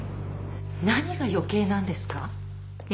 何が余計なんですか？